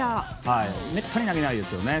めったに投げないですね